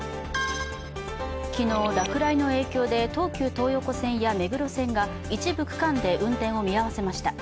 昨日、落雷の影響で東急東横線や目黒線が一部区間で運転を見合わせました。